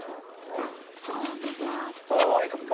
はい乾杯！